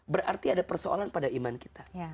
berarti ada persoalan pada iman kita